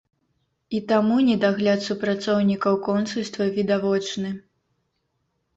І таму недагляд супрацоўнікаў консульства відавочны.